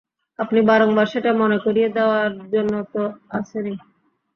আপনি বারংবার সেটা মনে করিয়ে দেওয়ার জন্য তো আছেনই।